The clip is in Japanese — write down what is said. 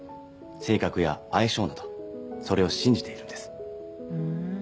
性格や相性などそれを信じているんですふーん